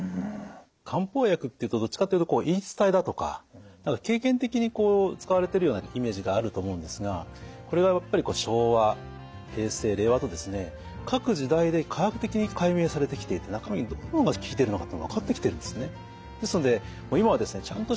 漢方薬っていうとどっちかっていうと言い伝えだとか経験的にこう使われているようなイメージがあると思うんですがこれがやっぱり昭和平成令和とですね各時代で科学的に解明されてきていて中身のどの部分が効いてるのかっていうのが分かってきてるんですね。